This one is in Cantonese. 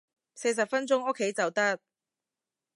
四十分鐘屋企就得